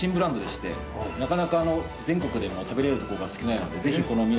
なかなか全国でも食べられるところが少ないのでぜひこの未来